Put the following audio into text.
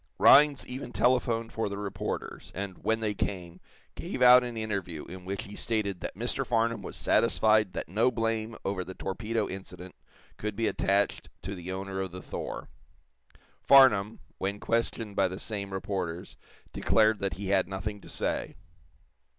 Rhinds even telephoned for the reporters, and, when they came, gave out an interview in which he stated that Mr. Farnum was satisfied that no blame over the torpedo incident could be attached to the owner of the "Thor." Farnum, when questioned by the same reporters, declared that he had nothing to say.